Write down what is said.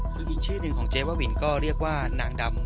คืออีกชื่อหนึ่งของเจ๊บ้าบินก็เรียกว่านางดำ